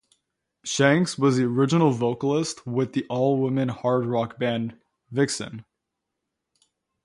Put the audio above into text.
Shanks was the original vocalist with the all-woman hard rock band Vixen.